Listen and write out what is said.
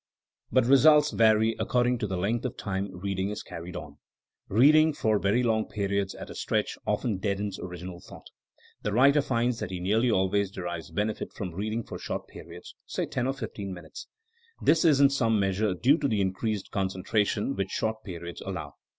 But results vary according to the length of time reading is car ried on. Beading for very long periods at a stretch often deadens original thought. The writer finds that he nearly always derives benefit from reading for short periods, say ten or fif^ teen minutes. This is in some measure due \o the increased concentration which short periods allow.